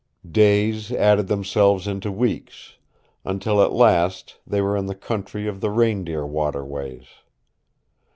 Days added themselves into weeks, until at last they were in the country of the Reindeer waterways.